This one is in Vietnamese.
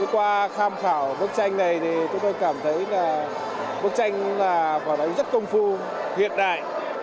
qua khám khảo bức tranh này tôi cảm thấy bức tranh rất công phu hiện đại